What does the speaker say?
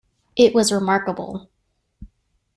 It was remarkable.